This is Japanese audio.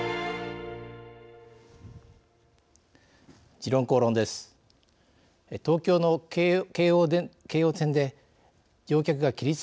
「時論公論」です。